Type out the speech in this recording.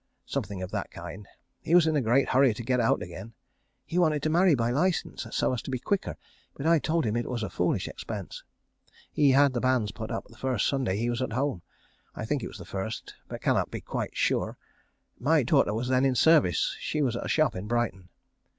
Something of that kind. He was in a great hurry to get out again. He wanted to marry by license, so as to be quicker, but I told him it was a foolish expense. He had the banns put up the first Sunday he was at home. I think it was the first, but cannot be quite sure. My daughter was then in service. She was at a shop in Brighton.